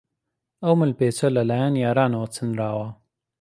ئەم ملپێچە لەلایەن یارانەوە چنراوە.